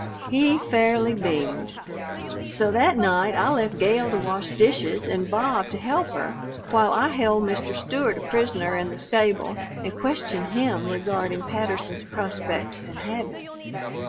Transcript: He fairly beamed. So that night I left Gale to wash dishes and Bob to help her while I held Mr. Stewart a prisoner in the stable and questioned him regarding Patterson's prospects and habits.